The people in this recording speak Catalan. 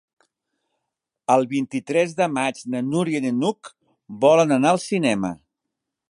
El vint-i-tres de maig na Núria i n'Hug volen anar al cinema.